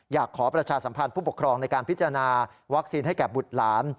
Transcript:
อยากขอประชาสัมพันธ์ผู้ปกครองในการพิจารณาวัคซีนให้แก่บุตรหลาน